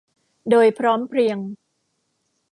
โดยพร้อมเพรียง